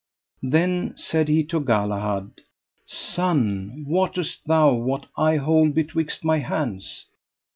Then said he to Galahad: Son, wottest thou what I hold betwixt my hands?